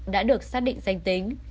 đã được xác định danh tính